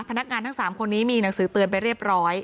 พนักงานทั้ง๓คนนี้มีหนังสือเตือนไปเรียบร้อย